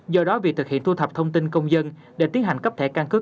do đó việc thực hiện thu thập thông tin công dân để tiến hành cấp thẻ căn cước